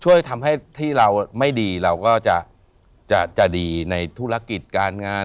ช่วยทำให้ที่เราไม่ดีเราก็จะดีในธุรกิจการงาน